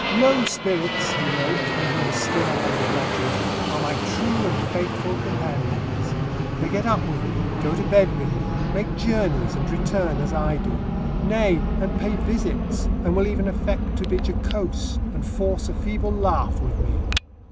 "Low spirits," he wrote, when he was still an undergraduate, "are my true and faithful companions; they get up with me, go to bed with me, make journeys and return as I do; nay, and pay visits, and will even affect to be jocose, and force a feeble laugh with me."